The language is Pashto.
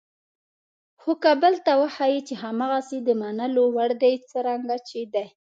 خو که بل ته وښایئ چې هماغسې د منلو وړ دي څرنګه چې دي.